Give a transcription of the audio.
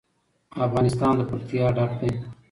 افغانستان له پکتیا ډک دی.